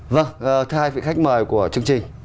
vâng thưa hai vị khách mời của chương trình